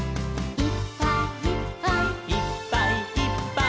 「いっぱいいっぱいいっぱいいっぱい」